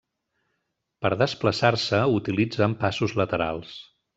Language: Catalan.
Per desplaçar-se, utilitzen passos laterals.